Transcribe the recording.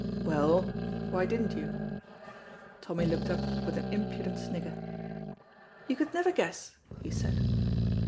"Well, why didn't you?" Tommy looked up with an impudent snigger. "You could never guess," he said.